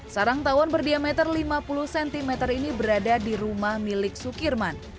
sarang tawon berdiameter lima puluh cm ini berada di rumah milik sukirman